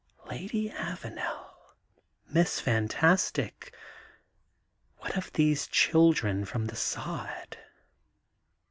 Lady Avanel, Miss Fantastic, what of these children from the sod